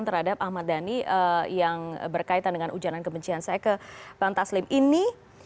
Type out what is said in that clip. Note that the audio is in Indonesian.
tadi pak iandila yang berkaitan dengan ujana kebencian saya ke bang taslim ini